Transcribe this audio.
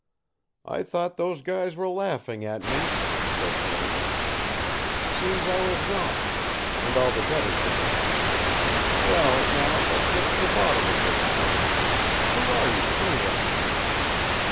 "I thought those guys were laughing at me," said Jones, "seems I was wrong, and all the better for them well, now, let's get to the bottom of this tangle who are you, anyway?"